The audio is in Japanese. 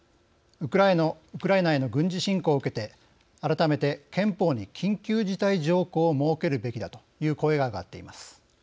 ウクライナへの軍事侵攻を受けて改めて、憲法に「緊急事態条項」を設けるべきだという声が上がっています。